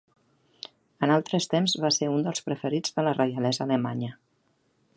En altres temps va ser un del preferits de la reialesa alemanya.